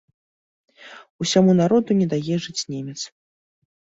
Усяму народу не дае жыць немец.